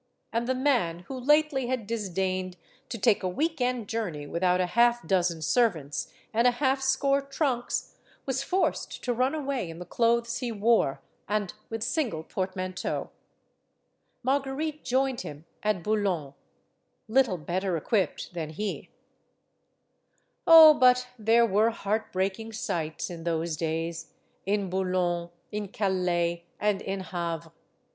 And the man who lately had disdained to take a week end journey without a half dozen servants and a half score trunks was forced to run away in the clothes he wore, and with single portmanteau. Marguerite joined him at Boulogne, little better equipped than he. THE MOST GORGEOUS LADY BLESSINGTON*' 227 Oh, but there were heartbreaking sights, in those days, in Boulogne, in Calais, and in Havre!